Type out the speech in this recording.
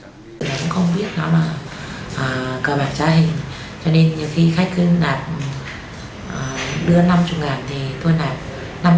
tôi cũng không biết nó mà cơ bản trái hình